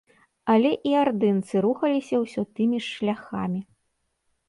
Але і ардынцы рухаліся ўсё тымі ж шляхамі.